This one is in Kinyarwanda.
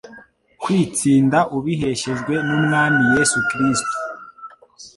kwitsinda ubiheshejwe n'Umwami Yesu Kristo.